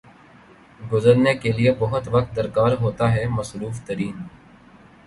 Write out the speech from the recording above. گزرنے کیلیے بہت وقت درکار ہوتا ہے۔ مصروف ترین